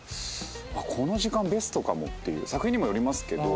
この時間ベストかもっていう作品にもよりますけど。